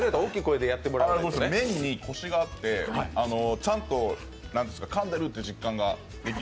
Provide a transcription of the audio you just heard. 麺にコシがあって、ちゃんとかんでるって実感が。